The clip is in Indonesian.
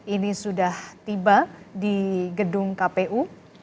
ini sudah tiba di gedung kpu